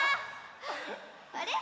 あれ？